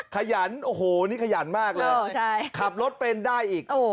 ขยันโอ้โหนี่ขยันมากเลยขับรถเป็นได้อีก